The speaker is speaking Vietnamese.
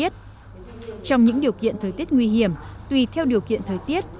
trong những điều kiện thời tiết nguy hiểm tùy theo điều kiện thời tiết